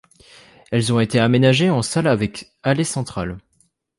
Elles ont été aménagées en salles avec allée centrale.